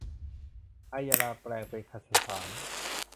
ไอยราแปลงเป็นคชสาร